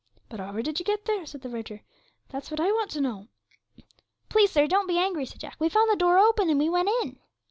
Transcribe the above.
'But however did you get there?' said the verger. 'That's what I want to know.' 'Please, sir, don't be angry,' said Jack; 'we found the door open, and we went in.'